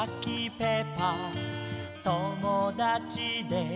ペーパーともだちで」